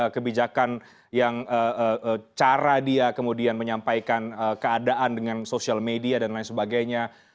kebijakan yang cara dia kemudian menyampaikan keadaan dengan sosial media dan lain sebagainya